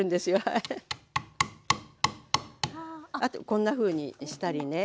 こんなふうにしたりね。